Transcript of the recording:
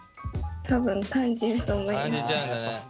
多分感じると思います。